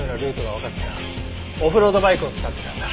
オフロードバイクを使ってたんだ。